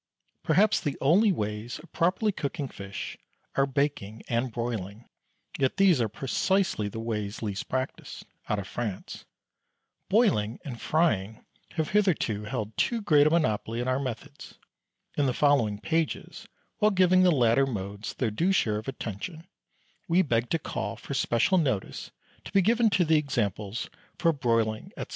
Perhaps the only ways of properly cooking fish are baking and broiling, yet these are precisely the ways least practised out of France. Boiling and frying have hitherto held too great a monopoly in our methods. In the following pages, while giving the latter modes their due share of attention, we beg to call for special notice to be given to the examples for broiling, &c.